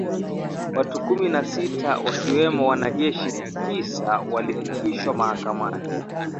Watu kumi na sita wakiwemo wanajeshi tisa walifikishwa mahakamani